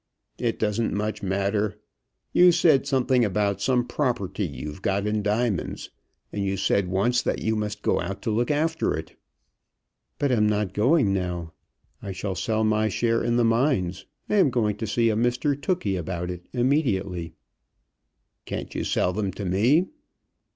"It doesn't much matter. You said something about some property you've got in diamonds, and you said once that you must go out to look after it." "But I'm not going now. I shall sell my share in the mines. I am going to see a Mr Tookey about it immediately." "Can't you sell them to me?"